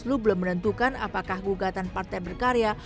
lu belum menentukan apakah gugatan partai berkarya